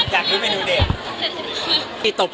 เหมือนอยู่บนกีล